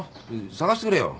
捜してくれよ。